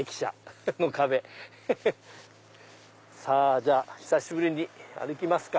じゃあ久しぶりに歩きますか。